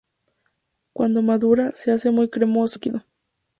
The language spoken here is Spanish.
Cuando madura, se hace muy cremoso, casi líquido.